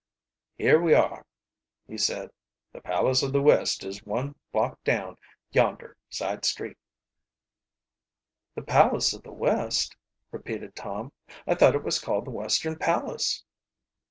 "Here we are," he said. "The Palace of the West is one block down yonder side street." "The Palace of the West?" repeated Tom. "I thought it was called the Western Palace."